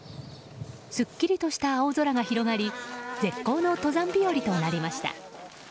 すっきりとした青空が広がり絶好の登山日和となりました。